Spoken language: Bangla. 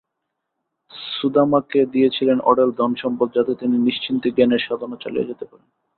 সুদামাকে দিয়েছিলেন অঢেল ধনসম্পদ—যাতে তিনি নিশ্চিন্তে জ্ঞানের সাধনা চালিয়ে যেতে পারেন।